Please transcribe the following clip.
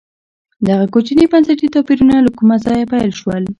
دغه کوچني بنسټي توپیرونه له کومه ځایه پیل شول.